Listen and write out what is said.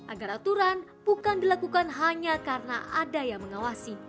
agar aturan bukan dilakukan hanya karena ada yang mengawasi